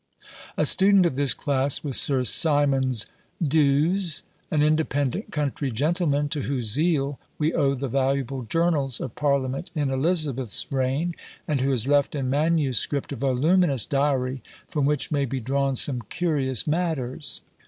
A student of this class was Sir Symonds D'Ewes, an independent country gentleman, to whose zeal we owe the valuable journals of parliament in Elizabeth's reign, and who has left in manuscript a voluminous diary, from which may be drawn some curious matters.